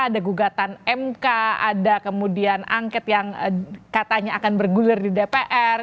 ada gugatan mk ada kemudian angket yang katanya akan bergulir di dpr